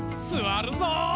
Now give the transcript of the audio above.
すわるぞう！